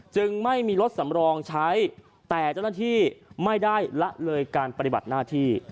จึงไม่มีรถสำรองใช้แต่เจ้าหน้าที่ไม่ได้ละเลยการปฏิบัติหน้าที่